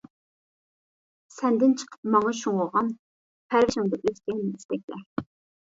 سەندىن چىقىپ ماڭا شۇڭغۇغان، پەرۋىشىڭدە ئۆسكەن ئىستەكلەر.